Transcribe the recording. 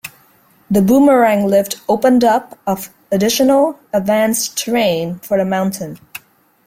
The Boomerang lift opened up of additional advanced terrain for the mountain.